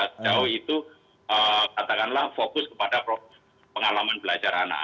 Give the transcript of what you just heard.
sejauh itu katakanlah fokus kepada pengalaman